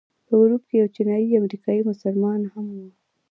په ګروپ کې یو چینایي امریکایي مسلمان هم و.